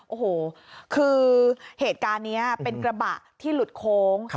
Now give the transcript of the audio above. โอ้โหคือเหตุการณ์นี้เป็นกระบะที่หลุดโค้ง